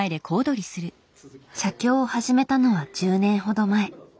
写経を始めたのは１０年ほど前。